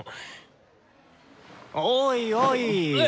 おいおい。